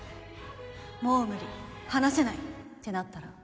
もう無理話せないってなったら